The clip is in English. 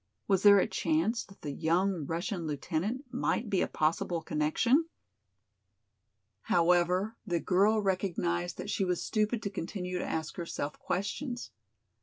Was there a chance that the young Russian lieutenant might be a possible connection? However, the girl recognized that she was stupid to continue to ask herself questions.